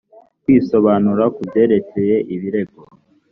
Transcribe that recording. kwisobanura ku byerekeye ibirego